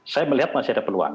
saya melihat masih ada peluang